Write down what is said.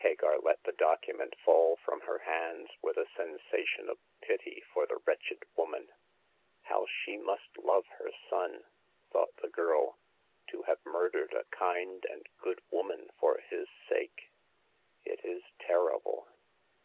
Hagar let the document fall from her hands with a sensation of pity for the wretched woman. " How she must love her son," thought the girl —" to have murdered a kind and good woman for 86 Hagar of the Pawn Shop. his sake ! It is terrible